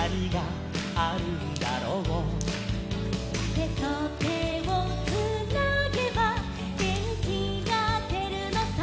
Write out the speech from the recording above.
「てとてをつなげばげんきがでるのさ」